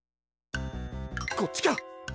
こっちか！